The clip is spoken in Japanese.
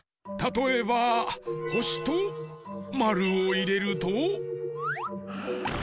たとえばほしとまるをいれると。